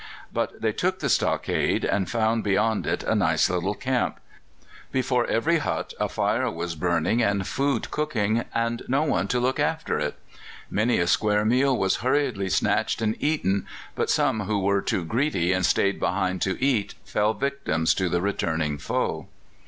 But they took the stockade, and found beyond it a nice little camp; before every hut a fire was burning and food cooking, and no one to look after it. Many a square meal was hurriedly snatched and eaten, but some who were too greedy and stayed behind to eat fell victims to the returning foe.